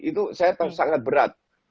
itu saya tahu sangat berat